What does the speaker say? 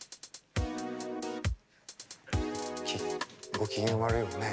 ご機嫌悪いわね。